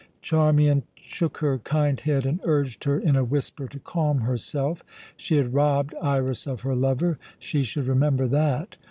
Charmian shook her kind head and urged her in a whisper to calm herself. She had robbed Iras of her lover; she should remember that.